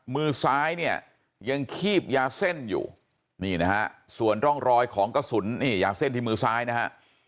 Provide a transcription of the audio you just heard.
มือซ้ายเนี่ยยังคีบยาเส้นอยู่นี่นะฮะส่วนร่องรอยของกระสุนนี่ยาเส้นที่มือซ้ายนะฮะ